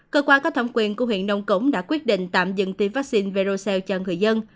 cơ quan có thẩm quyền của huyện nông cống đã quyết định tạm dừng tiêm vaccine verocel cho người dân